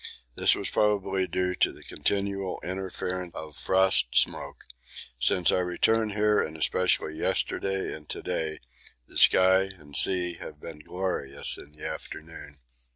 This was probably due to the continual interference of frost smoke; since our return here and especially yesterday and to day the sky and sea have been glorious in the afternoon.